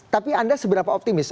tapi anda seberapa optimis